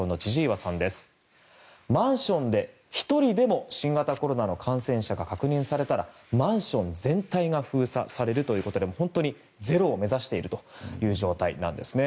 マンションで１人でも新型コロナの感染者が確認されたら、マンション全体が封鎖されるということでゼロを目指している状態です。